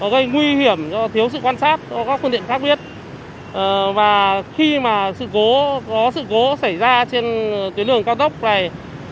khi mà có sự cố xảy ra trên tuyến đường cao tốc này